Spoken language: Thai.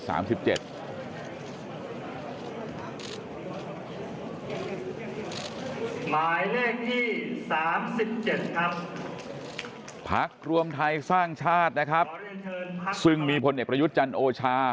หมายเลขที่๓๗ครับพักรวมไทยสร้างชาตินะครับซึ่งมีพลเอกประยุทธ์จันทร์โอชา